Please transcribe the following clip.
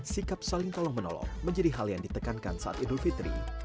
sikap saling tolong menolong menjadi hal yang ditekankan saat idul fitri